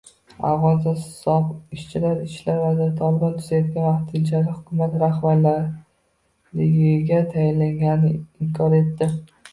Afg‘oniston sobiq ichki ishlar vaziri “Tolibon” tuzayotgan vaqtinchalik hukumat rahbarligiga tayinlanganini inkor etdi